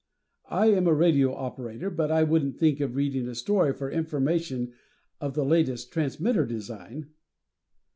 I am a radio operator, but I wouldn't think of reading a story for information on the latest transmitter design.